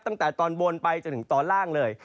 ตั้งแต่ตอนบนไปจนถึงตอนล่างเลย